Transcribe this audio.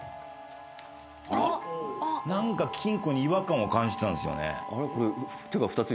何か金庫に違和感を感じたんですよね。